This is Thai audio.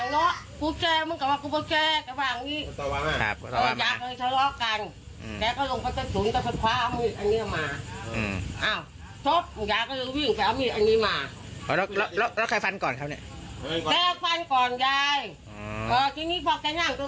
แล้วใครฟังก่อนครับ